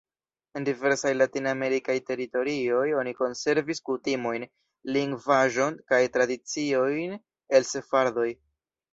En diversaj latinamerikaj teritorioj oni konservis kutimojn, lingvaĵon kaj tradiciojn el sefardoj.